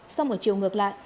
xong ở chiều ngược lại